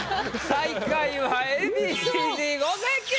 最下位はＡ．Ｂ．Ｃ−Ｚ五関！